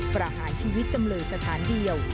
ประหารชีวิตจำเลยสถานเดียว